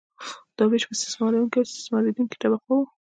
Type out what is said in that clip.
دا ویش په استثمارونکې او استثماریدونکې طبقو وو.